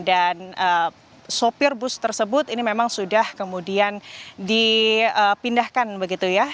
dan sopir bus tersebut ini memang sudah kemudian dipindahkan begitu ya